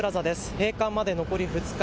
閉館まで残り２日。